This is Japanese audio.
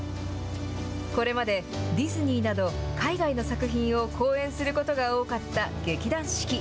これまでディズニーなど、海外の作品を公演することが多かった劇団四季。